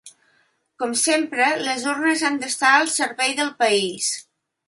Com sempre, les urnes han d’estar al servei del país.